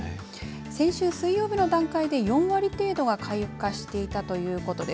先週水曜日の段階で４割程度は開花していたということです。